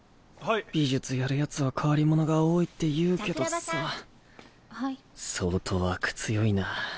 美術やるヤツは変わり者が多いっていうけどさ高橋さん。